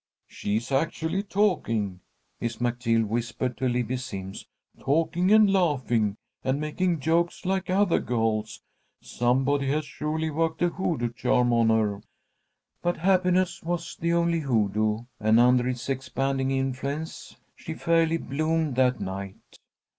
"She is actually talking," Miss McGill whispered to Libbie Simms. "Talking and laughing and making jokes like other girls. Somebody has surely worked a hoodoo charm on her." But happiness was the only hoodoo, and, under its expanding influence, she fairly bloomed that night.